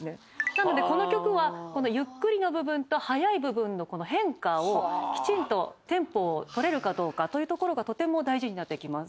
なのでこの曲はゆっくりの部分と速い部分の変化をきちんとテンポをとれるかどうかというところがとても大事になってきます。